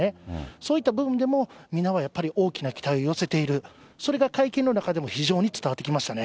そういった部分でも、みんなが大きな期待を寄せている、それが会見の中でも非常に伝わってきましたね。